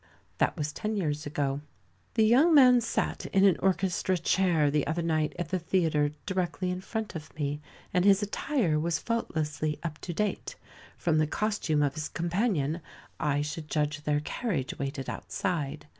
That was ten years ago. The young man sat in an orchestra chair the other night at the theatre directly in front of me, and his attire was faultlessly up to date. From the costume of his companion, I should judge their carriage waited outside.